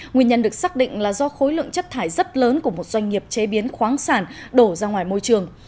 nguyên nhân được xác định là do khối lượng chất thải rất lớn của một doanh nghiệp chế biến khoáng sản đổ ra ngoài môi trường